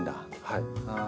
はい。